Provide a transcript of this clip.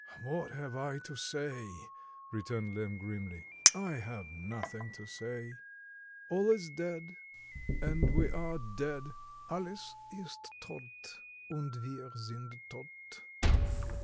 "What have I to say?" returned Lemm, grimly. "I have nothing to say. All is dead, and we are dead (Alles ist todt, und wir sind todt).